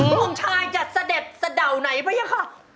พระองค์ชายจะเสด็จเสด่าวไหนพระเจ้าค่ะ